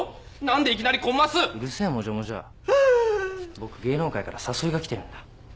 僕芸能界から誘いが来てるんだ。